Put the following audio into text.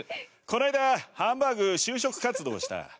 この間ハンバーグ就職活動した。